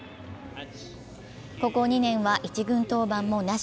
ここ２年は１軍登板もなし。